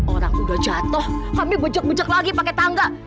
orang udah jatuh kami becek becek lagi pakai tangga